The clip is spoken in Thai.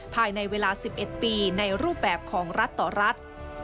ภายในเวลา๑๑ปีในรูปแบบของรัฐต่อรัฐ